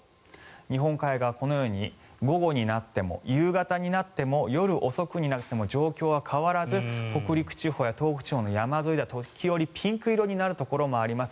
日本海側、このように午後になっても夕方になっても夜遅くになっても状況は変わらず北陸地方、東北地方の山沿いでは時折、ピンク色になるところもあります。